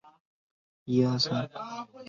石皋子。